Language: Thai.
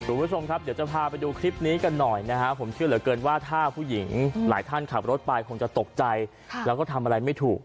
คุณผู้ชมครับเดี๋ยวจะพาไปดูคลิปนี้กันหน่อยนะฮะผมเชื่อเหลือเกินว่าถ้าผู้หญิงหลายท่านขับรถไปคงจะตกใจแล้วก็ทำอะไรไม่ถูก